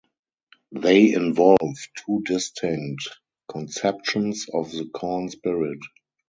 They involve two distinct conceptions of the corn spirit.